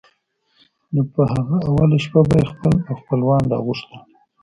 نو په هغه اوله شپه به یې خپل او خپلوان را غوښتل.